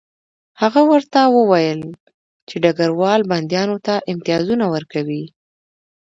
هغه ورته وویل چې ډګروال بندیانو ته امتیازونه ورکوي